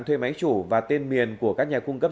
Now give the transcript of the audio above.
thuê máy chủ và tên miền của các nhà cung cấp